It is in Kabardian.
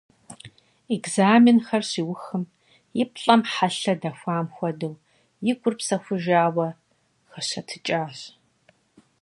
Экзаменхэр щиухым, и плӀэм хьэлъэ дэхуам хуэдэу, и гур псэхужауэ хэщэтыкӀащ.